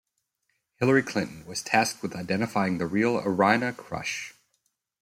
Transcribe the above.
Hillary Clinton was tasked with identifying the real Irina Krush.